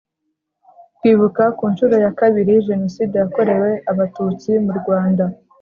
Kwibuka ku nshuro ya kabiri Jenoside yakorewe Abatutsi mu Rwanda